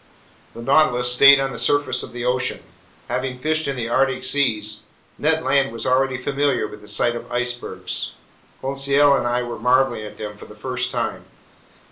The Nautilus stayed on the surface of the ocean. Having fished in the Arctic seas, Ned Land was already familiar with the sight of icebergs. Conseil and I were marveling at them for the first time.